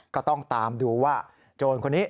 ก็ต้องตามดูว่าโจรคนนี้